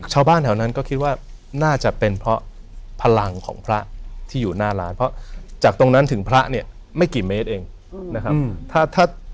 ชาวบ้านแถวนั้นก็คิดว่าน่าจะเป็นเพราะพลังของพระที่อยู่หน้าร้านเพราะจากตรงนั้นถึงพระเนี่ยไม่กี่เมตรเองนะครับ